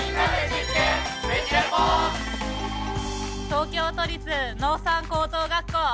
東京都立農産高等学校。